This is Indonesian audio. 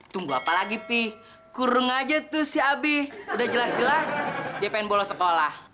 tunggu apa lagi pi kurung aja tuh si abi udah jelas jelas dia pengen bolos sekolah